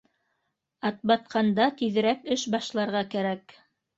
Атбатҡанда тиҙерәк эш башларға кәрәк